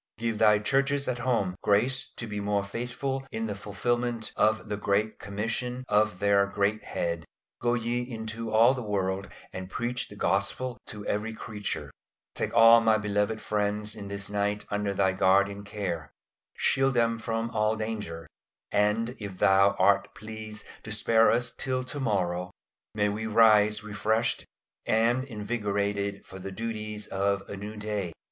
Give thy Churches at home grace to be more faithful in the fulfilment of the great commission of their Great Head "Go ye into all the world and preach the Gospel to every creature!" Take all my beloved friends this night under Thy guardian care. Shield them from all danger; and if Thou art pleased to spare us till to morrow, may we rise refreshed and invigorated for the duties of a new day.